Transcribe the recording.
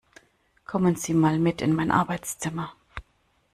Kommen Sie mal mit in mein Arbeitszimmer!